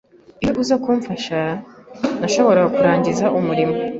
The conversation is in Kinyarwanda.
Iyo uza kumfasha, nashoboraga kurangiza umurimo.